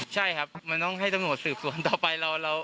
ใช่ครับมันต้องให้ตำรวจสืบสวนต่อไป